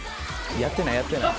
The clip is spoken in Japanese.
やってないやってない。